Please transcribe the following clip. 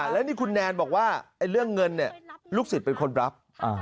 แล้วนี่คุณแนนบอกว่าเรื่องเงินลูกศิษย์เป็นคนรับ